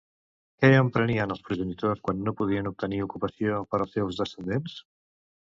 Què emprenien els progenitors quan no podien obtenir ocupació per als seus descendents?